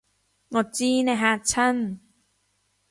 我知你嚇親